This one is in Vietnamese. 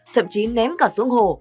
thậm chí ném cả xuống hồ